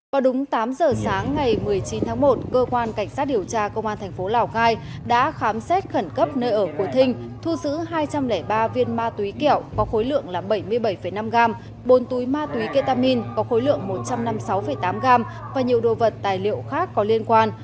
vào đúng tám giờ sáng ngày một mươi chín tháng một cơ quan cảnh sát điều tra công an thành phố lào cai đã khám xét khẩn cấp nơi ở của thinh thu giữ hai trăm linh ba viên ma túy kẹo có khối lượng là bảy mươi bảy năm gram bốn túi ma túy ketamin có khối lượng một trăm năm mươi sáu tám gram và nhiều đồ vật tài liệu khác có liên quan